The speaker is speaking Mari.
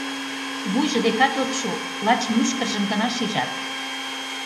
Вуйжо декат от шу... лач мӱшкыржым гына шижат...